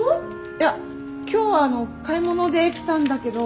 いや今日はあの買い物で来たんだけど。